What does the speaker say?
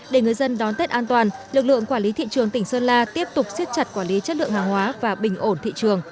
để người dân đón tết an toàn lực lượng quản lý thị trường tỉnh sơn la tiếp tục siết chặt quản lý chất lượng hàng hóa và bình ổn thị trường